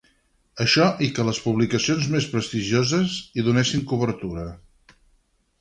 Això i que les publicacions més prestigioses hi donessin cobertura.